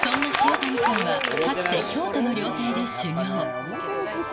そんな塩谷さんはかつて京都の料亭で修業。